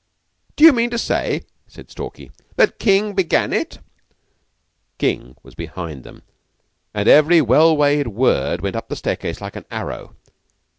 "Do you mean to say," said Stalky, "that King began it?" King was behind them, and every well weighed word went up the staircase like an arrow.